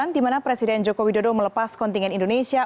di mana presiden joko widodo melepas kontingen indonesia